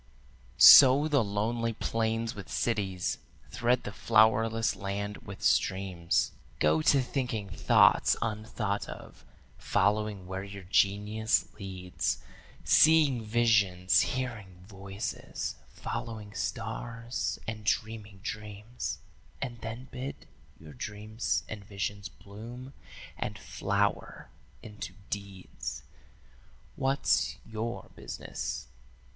"Sow the lonely plains with cities; thread the flowerless land with streams; Go to thinking thoughts unthought of, following where your genius leads, Seeing visions, hearing voices, following stars, and dreaming dreams, And then bid your dreams and visions bloom and flower into deeds. 'What's your business?'